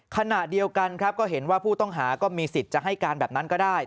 ขณะเดียวกันครับก็เห็นว่าผู้ต้องหาก็มีสิทธิ์จะให้การแบบนั้นก็ได้